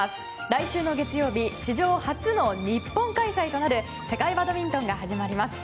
来週の月曜日史上初の日本開催となる世界バドミントンが始まります。